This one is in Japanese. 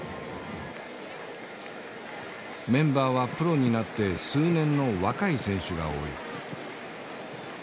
メンバーはプロになって数年の若い選手が多い。